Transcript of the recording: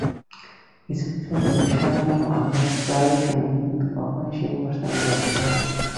কিছু কিছু প্রতিষ্ঠানের নাম আমরা প্রায়ই শুনি, কিন্তু কখনোই সেগুলোর সাইনবোর্ড দেখি না।